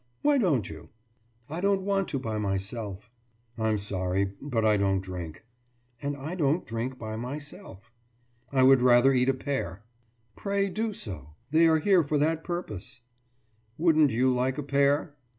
Why don't you?« »I don't want to by myself.« »I'm sorry, but I don't drink.« »And I don't drink by myself.« »I would rather eat a pear.« »Pray do so. They are here for that purposes.« »Wouldn't you like a pear?